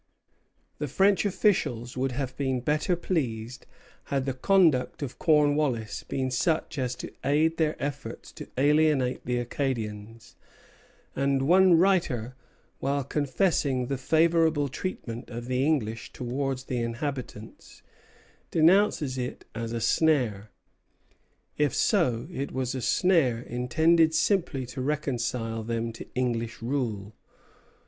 The French officials would have been better pleased had the conduct of Cornwallis been such as to aid their efforts to alienate the Acadians; and one writer, while confessing the "favorable treatment" of the English towards the inhabitants, denounces it as a snare. If so, it was a snare intended simply to reconcile them to English rule.